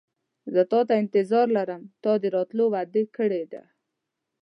زه تاته انتظار لرم تا د راتلو وعده کړې ده.